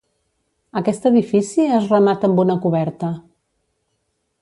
Aquest edifici es remata amb una coberta.